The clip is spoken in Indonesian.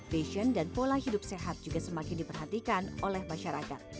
fashion dan pola hidup sehat juga semakin diperhatikan oleh masyarakat